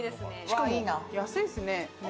安いっすね。